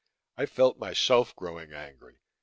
I felt myself growing angry.